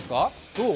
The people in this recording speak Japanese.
どう？